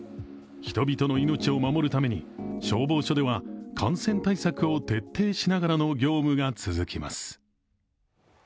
人々の命を守るために消防署では感染対策を徹底しながらの業務が続きます。